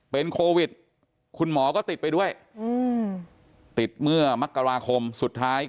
เป็นโควิดคุณหมอก็ติดไปด้วยติดเมื่อมกราคมสุดท้าย